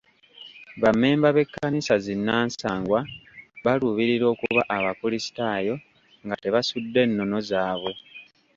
Bammemba b'ekkanisa zi nnansangwa baluubirira okuba abakulisitaayo nga tebasudde nnono zaabwe.